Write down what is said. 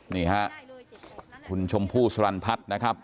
นี่ฮะคุณชมพู่สรรพัฒน์นะครับ